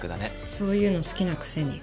そういうの好きなくせに。